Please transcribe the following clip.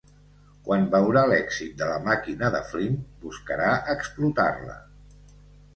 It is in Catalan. Quan veurà l'èxit de la màquina de Flint, buscarà explotar-la.